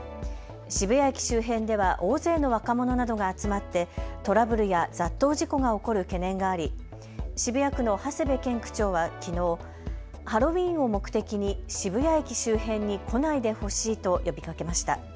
渋谷駅周辺では大勢の若者などが集まってトラブルや雑踏事故が起こる懸念があり渋谷区の長谷部健区長はきのうハロウィーンを目的に渋谷駅周辺に来ないでほしいと呼びかけました。